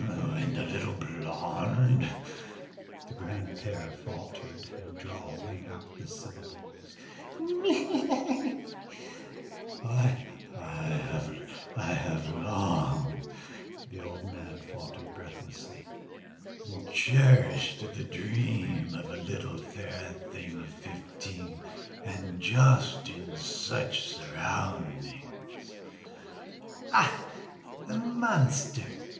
"And a little blonde?" the grand père faltered, drawling out the syllables. "He he he!" "I ... have long ... I have long," the old man faltered breathlessly, "cherished the dream of a little fair thing of fifteen and just in such surroundings." "Ach, the monster!"